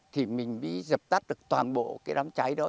thì mình mới dập tắt được toàn bộ cái đám cháy đó